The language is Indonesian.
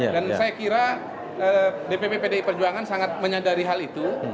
dan saya kira dpp pdi perjuangan sangat menyadari hal itu